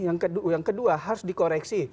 yang kedua harus dikoreksi